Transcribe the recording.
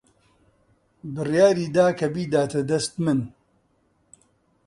بڕیاری دا کە بیداتە دەست من